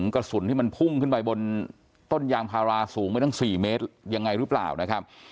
กระสุนที่มันพุ่งขึ้นไปบนต้นยางพาราสูงไม่ตั้ง๔เมตรยังไงหรือเปล่านะครับ